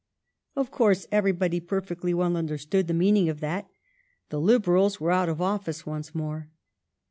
Of course everybody perfectly well understood the meaning of that. The Liberals were out of office once more.